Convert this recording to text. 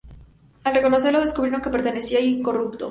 Al reconocerlo, descubrieron que permanecía incorrupto.